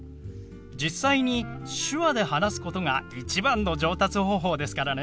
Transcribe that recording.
実際に手話で話すことが一番の上達方法ですからね。